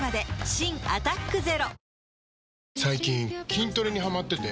新「アタックＺＥＲＯ」最近筋トレにハマってて。